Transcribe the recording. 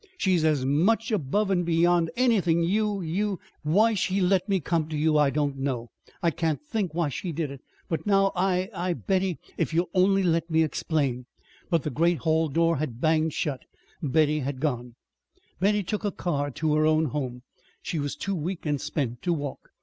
She's as much above and beyond anything you you Why she let me come to you I don't know. I can't think why she did it. But now I I " "Betty, if you'll only let me explain " But the great hall door had banged shut. Betty had gone. Betty took a car to her own home. She was too weak and spent to walk.